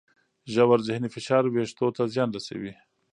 ژور ذهني فشار وېښتو ته زیان رسوي.